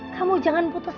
kamu jangan putus asa